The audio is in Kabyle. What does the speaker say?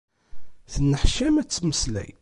Tenneḥcam ad tmeslay.